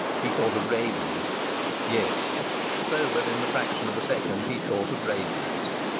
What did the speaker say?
He thought of rabies. Yes, sobered in the fraction of a second, he thought of rabies.